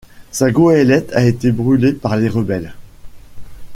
Sa goélette a été brûlée par les rebelles.